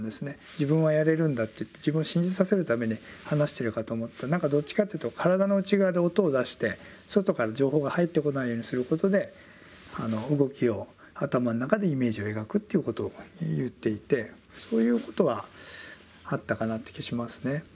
「自分はやれるんだ」って言って自分を信じさせるために話してるかと思ったらどっちかっていうと体の内側で音を出して外から情報が入ってこないようにすることで動きを頭の中でイメージを描くっていうことを言っていてそういうことはあったかなっていう気はしますね。